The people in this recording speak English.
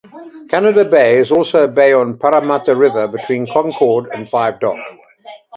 Canada Bay is also a bay on Parramatta River between Concord and Five Dock.